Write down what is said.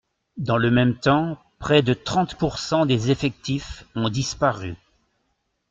Dans le même temps, près de trente pourcent des effectifs ont disparu.